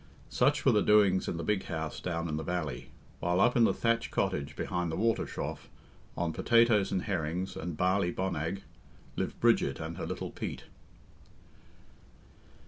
Such were the doings in the big house down in the valley, while up in the thatched cottage behind the water trough, on potatoes and herrings and barley bonnag, lived Bridget and her little Pete.